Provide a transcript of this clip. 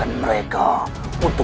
ini semua bahaya